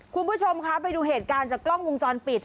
คุณผู้ชมคะไปดูเหตุการณ์จากกล้องวงจรปิด